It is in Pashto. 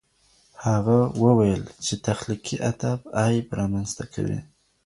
هغه وویل چي تخلیقي ادب ادئب رامنځته کوي.